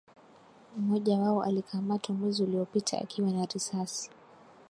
mmoja wao alikamatwa mwezi uliopita akiwa na risasi